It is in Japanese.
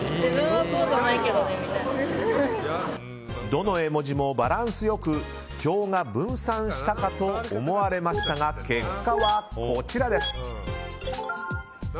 どの絵文字もバランスよく票が分散したかと思われましたが結果は、こちらです。